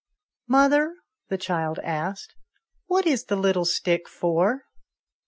"Mother," the child asked, "what is the little stick for ?